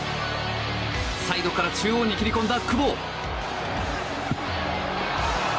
サイドから中央に切り込んだ久保。